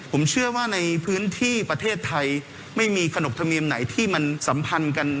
ผมเชื่อว่าในพื้นที่ประเทศไทยไม่มีขนบธรรมเนียมไหนที่มันสัมพันธ์กัน